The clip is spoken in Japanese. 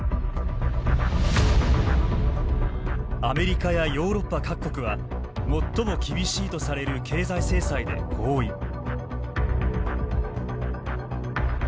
アメリカやヨーロッパ各国は最も厳しいとされる経済制裁で合意。